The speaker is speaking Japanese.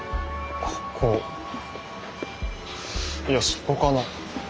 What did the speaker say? ここいやそこかな。